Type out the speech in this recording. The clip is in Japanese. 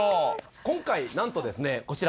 今回なんとですねこちら。